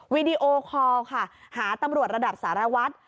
วีดีโอคอลค่ะหาตำรวจระดับสารวัตร